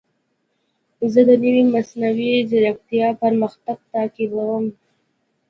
زه د نوې مصنوعي ځیرکتیا پرمختګ تعقیبوم.